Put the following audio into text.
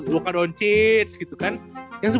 luka doncic gitu kan